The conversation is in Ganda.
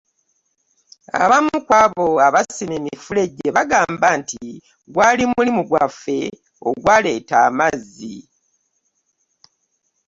Abamu ku abo abaasima emifulejje baagamba nti gwali mulimu gwaffe ogwaleeta amazzi.